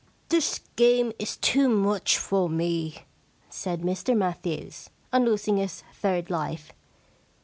* This game is too much for me,* said Mr Matthews, on losing his third life.